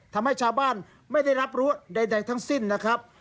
ทำให้ชาวบ้านไม่ได้รับรู้ใดทั้งสิ้นนะครับ